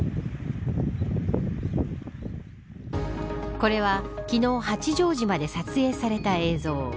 これは昨日八丈島で撮影された映像。